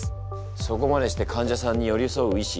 そこまでして患者さんに寄り添う医師。